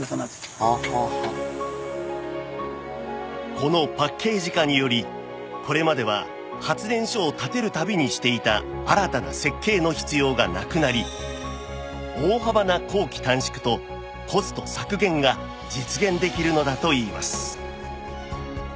このパッケージ化によりこれまでは発電所を建てる度にしていた新たな設計の必要がなくなり大幅な工期短縮とコスト削減が実現できるのだといいます